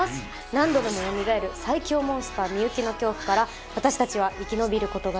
何度でもよみがえる最凶モンスター美雪の恐怖から私たちは生き延びる事ができるのか？